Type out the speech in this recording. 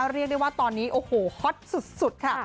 เรียกได้ว่าตอนนี้หอฮอลมากสุดค่ะ